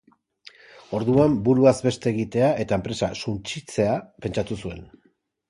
Orduan buruaz beste egitea eta enpresa suntsitzea pentsatu zuen.